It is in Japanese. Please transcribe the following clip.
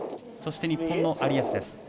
そして日本の有安です。